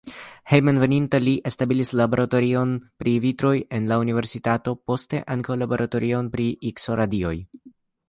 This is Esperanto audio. Hejmenveninta li establis laboratorion pri vitraĵoj en la universitato, poste ankaŭ laboratorion pri Ikso-radioj.